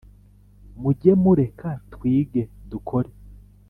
Muge mu reka twige dukore